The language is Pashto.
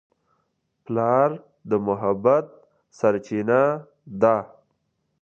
پلار د محبت سرچینه ده.